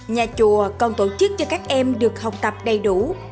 nhà chùa còn tổ chức cho các em được học tập đầy đủ